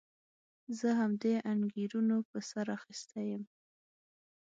زه همدې انګېرنو په سر اخیستی وم.